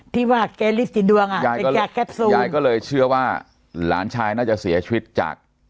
ที่ว่าแกฤทธิดวงอ่ะยายแป๊บทรงยายก็เลยเชื่อว่าหลานชายน่าจะเสียชีวิตจาก